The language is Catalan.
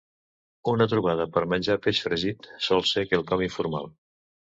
Una trobada per menjar peix fregit sol ser quelcom informal.